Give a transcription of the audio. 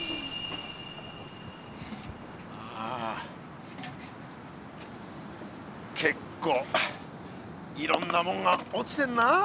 ああ結構いろんなもんが落ちてんなあ。